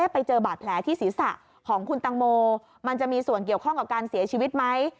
ไปเจอบาดแผลที่ศีรษะของคุณตังโมมันจะมีส่วนเกี่ยวข้องกับการเสียชีวิตไหม